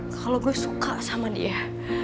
kalau gue suka sama dia